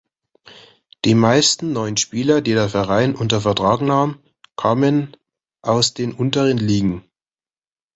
Die meisten neuen Spieler, die der Verein unter Vertrag nahm, kamen aus den unteren Ligen.